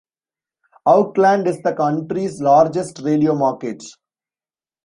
Auckland is the country's largest radio market.